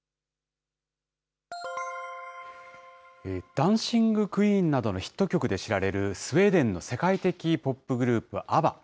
ダンシング・クイーンなどのヒット曲で知られる、スウェーデンの世界的ポップグループ、ＡＢＢＡ。